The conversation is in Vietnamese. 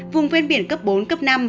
vùng ven biển cấp bốn cấp năm